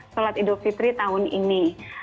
sholat idul fitri tahun ini